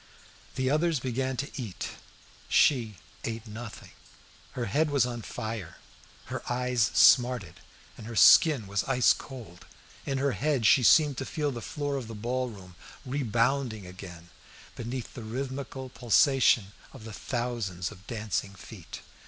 The others began to eat; she ate nothing. Her head was on fire, her eyes smarted, and her skin was ice cold. In her head she seemed to feel the floor of the ball room rebounding again beneath the rhythmical pulsation of the thousands of dancing feet.